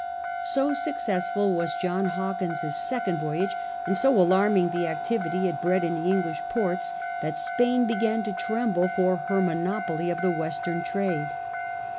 So successful was John Hawkins's second voyage, and so alarming the activity it bred in the English ports, that Spain began to tremble for her monopoly of the western trade.